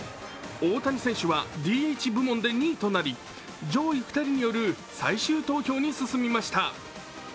大谷選手はＤＨ部門で２位となり、上位２人による最終投票に進みました。